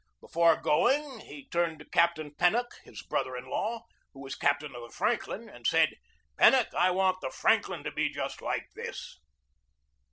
Before going, he turned to Captain Pen nock, his brother in law, who was captain of the Franklin, and said: "Pennock, I want the Franklin to be just like this."